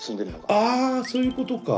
ああそういうことか。